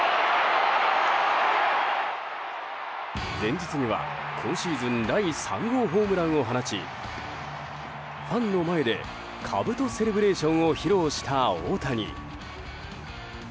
前日には、今シーズン第３号ホームランを放ちファンの前でかぶとセレブレーションを披露した大谷。